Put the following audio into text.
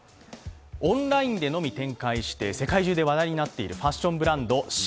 オンラインでのみ展開して世界中で話題になっているファッションブランド・ＳＨＥＩＮ。